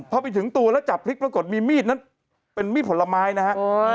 พอไปถึงตัวแล้วจับพลิกปรากฏมีมีดนั้นเป็นมีดผลไม้นะฮะ